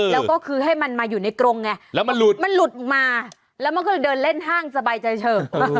แล้วก็คือให้มันมาอยู่ในกรงไงแล้วมันหลุดมันหลุดออกมาแล้วมันก็เลยเดินเล่นห้างสบายใจเฉิก